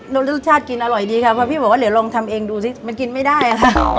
แล้วลูกชาติกินอร่อยดีค่ะเพราะพี่บอกว่าเดี๋ยวลองทำเองดูสิมันกินไม่ได้ค่ะ